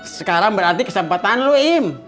sekarang berarti kesempatan lo im